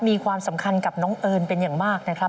มีความสำคัญกับน้องเอิญเป็นอย่างมากนะครับ